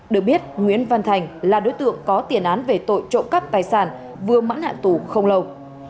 được biết nguyễn văn thành là đối tượng có tiền án về tội trộm cắp tài sản vừa mãn hạn tù không lâu